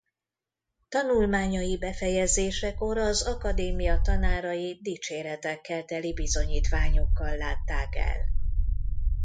Tanulmányai befejezésekor az akadémia tanárai dicséretekkel teli bizonyítványokkal látták el.